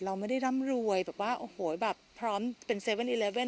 เราไม่ได้ร่ำรวยแบบว่าโอ้โหแบบพร้อมเป็นเซเว่นเอเลเว่น